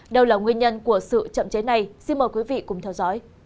đâu là nguyên nhân của sự chậm chế này xin mời quý vị cùng theo dõi